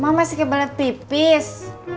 mama pas ke balet pipis